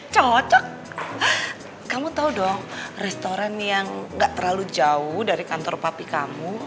cocok kamu tahu dong restoran yang gak terlalu jauh dari kantor papi kamu